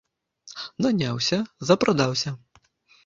Наняўся ‒ запрадаўся